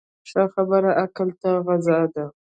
ښه خبره عقل ته غذا ده.